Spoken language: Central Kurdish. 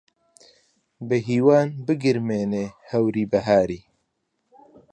بەهیوان بگرمێنێ هەوری بەهاری